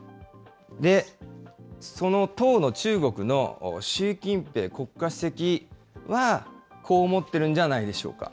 その当の中国の習近平国家主席は、こう思ってるんじゃないでしょう